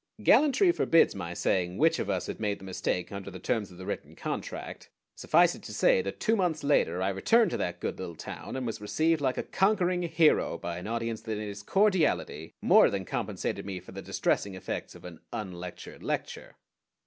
Gallantry forbids my saying which of us had made the mistake under the terms of the written contract. Suffice it to say that two months later I returned to that good little town, and was received like a conquering hero by an audience that in its cordiality more than compensated me for the distressing effects of an "unlectured lecture."